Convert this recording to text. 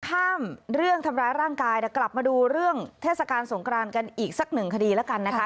เรื่องทำร้ายร่างกายเดี๋ยวกลับมาดูเรื่องเทศกาลสงครานกันอีกสักหนึ่งคดีแล้วกันนะคะ